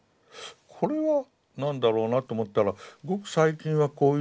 これは何だろうなと思ったらごく最近はこういう文字でＡＢＣの「Ａ」。